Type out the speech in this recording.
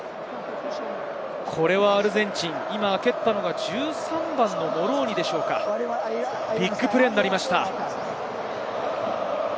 これはアルゼンチン、蹴ったのは１３番のモローニでしょうか、ビッグプレーになりました。